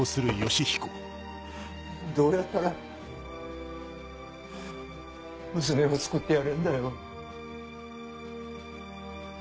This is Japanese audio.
どうやったら娘を救ってやれんだよ。